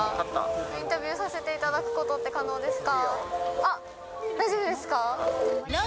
インタビューさせていただくことって可能ですか？